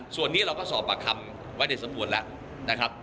ส่วนนี้เราก็สอบปากคำไว้ในสำนวนแล้วนะครับ